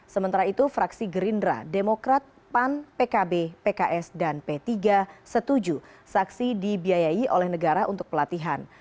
sementara itu fraksi gerindra demokrat pan pkb pks dan p tiga setuju saksi dibiayai oleh negara untuk pelatihan